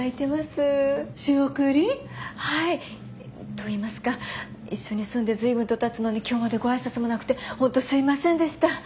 といいますか一緒に住んで随分とたつのに今日までご挨拶もなくて本当すいませんでした。